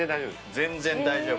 全然大丈夫！